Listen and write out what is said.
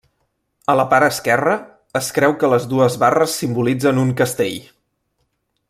A la part esquerra, es creu que les dues barres simbolitzen un castell.